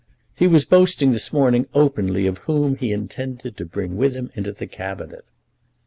"He was boasting this morning openly of whom he intended to bring with him into the Cabinet."